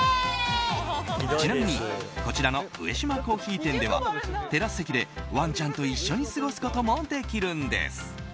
ちなみにこちらの上島珈琲店ではテラス席でワンちゃんと一緒に過ごすこともできるんです。